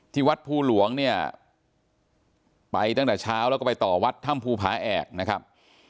วัดภูหลวงเนี่ยไปตั้งแต่เช้าแล้วก็ไปต่อวัดถ้ำภูผาแอกนะครับ